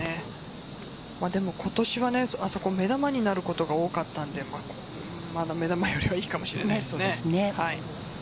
今年はあそこは目玉になることが多かったので目玉よりはいいかもしれません。